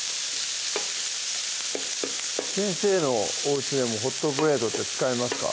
先生のおうちでもホットプレートって使いますか？